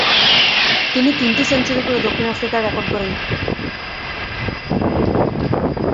তিনি তিনটি সেঞ্চুরি করে দক্ষিণ আফ্রিকান রেকর্ড গড়েন।